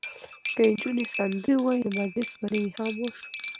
که نجونې سندرې ووايي نو مجلس به نه وي خاموش.